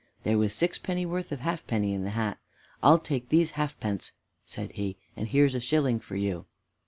There was sixpenny worth of halfpence in the hat. "I'll take these halfpence," said he, "and here's a shilling for you."